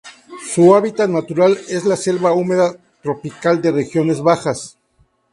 Su hábitat natural es la selva húmeda tropical de regiones bajas.